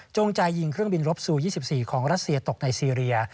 ใจยิงเครื่องบินรบซู๒๔ของรัสเซียตกในซีเรีย